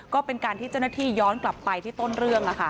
ก็เป็นการที่เจ้าหน้าที่ย้อนกลับไปที่ต้นเรื่อง